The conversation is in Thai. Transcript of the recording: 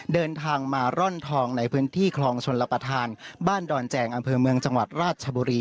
เดินทางมาร่อนทองในพื้นที่คลองชนรับประทานบ้านดอนแจงอำเภอเมืองจังหวัดราชบุรี